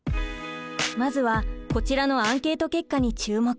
まずはこちらのアンケート結果に注目。